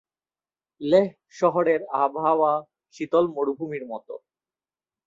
লেহ শহরের আবহাওয়া শীতল মরুভূমির মতো।